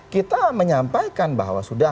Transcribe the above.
kita menyampaikan bahwa sudah